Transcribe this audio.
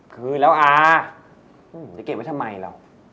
คืนแล้วอาจะเก็บไว้ทำไมเรา